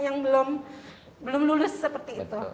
yang belum lulus seperti itu